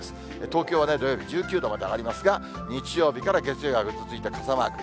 東京は土曜日１９度まで上がりますが、日曜日から月曜日はぐずついた傘マーク。